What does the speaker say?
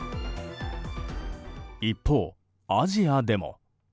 一方、アジアでも。